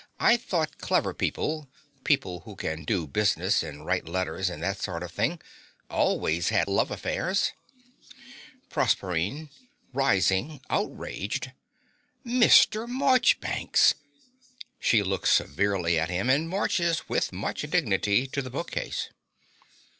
I thought clever people people who can do business and write letters, and that sort of thing always had love affairs. PROSERPINE (rising, outraged). Mr. Marchbanks! (She looks severely at him, and marches with much dignity to the bookcase.)